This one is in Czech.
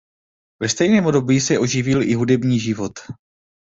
Ve stejném období se oživil i hudební život.